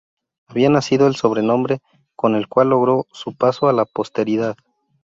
Había nacido el sobrenombre con el cual logró su paso a la posteridad.